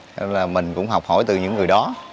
thế là mình cũng học hỏi từ những người đó